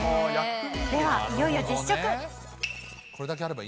ではいよいよ実食。